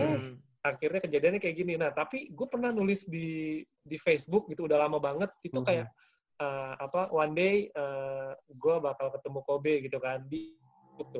akhirnya kejadiannya kayak gini nah tapi gue pernah nulis di facebook gitu udah lama banget itu kayak one day gue bakal ketemu kobe gitu kan